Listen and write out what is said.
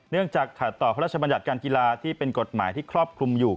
จากขัดต่อพระราชบัญญัติการกีฬาที่เป็นกฎหมายที่ครอบคลุมอยู่